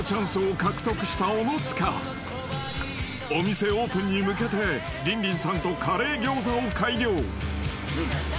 ［お店オープンに向けてリンリンさんとカレー餃子を改良］